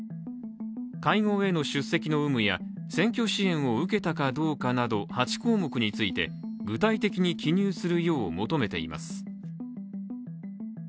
会合への出席の有無や選挙支援を受けたかどうかなど８項目について、具体的に記入するよう求めています。